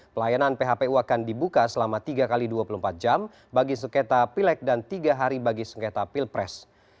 pelayanan phpu akan dibuka selama tiga x dua puluh empat jam bagi sengketa pilek dan tiga hari bagi sengketa pilpres